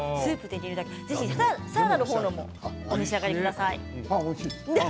サラダもお召し上がりください。